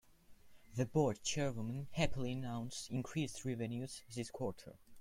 The board chairwoman happily announced increased revenues this quarter.